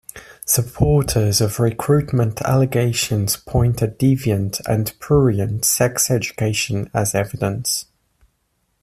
Supporters of recruitment allegations point at "deviant" and "prurient" sex education as evidence.